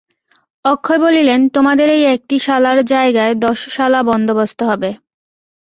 অক্ষয় বলিলেন, তোমাদের এই একটি শালার জায়গায় দশশালা বন্দোবস্ত হবে?